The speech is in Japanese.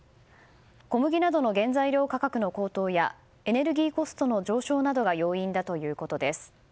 小麦などの原材料価格の高騰やエネルギーコストの上昇などが要因だということです。